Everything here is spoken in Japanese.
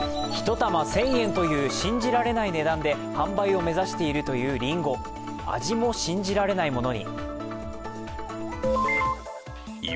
１玉１０００円という信じられない値段で販売を目指しているというりんご、味も信じられないものに。